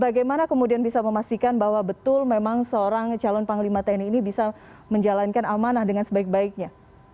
bagaimana kemudian bisa memastikan bahwa betul memang seorang calon panglima tni ini bisa menjalankan amanah dengan sebaik baiknya